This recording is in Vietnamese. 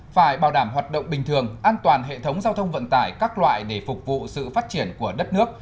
phải bảo đảm hoạt động bình thường an toàn hệ thống giao thông vận tải các loại để phục vụ sự phát triển của đất nước